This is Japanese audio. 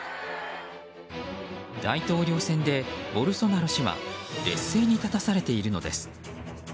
大統領選でボルソナロ氏は劣勢に立たされているのです。